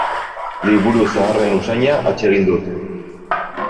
Liburu zaharren usaina atsegin dut.